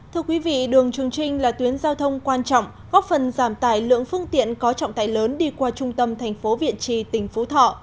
thưa quý vị đường trường trinh là tuyến giao thông quan trọng góp phần giảm tải lượng phương tiện có trọng tải lớn đi qua trung tâm tp viện trì tỉnh phú thọ